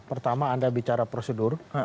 pertama anda bicara prosedur